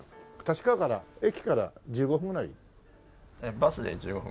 バスで１５分。